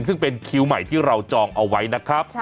ซึ่งเป็นคิวใหม่ที่เราจองเอาไว้นะครับ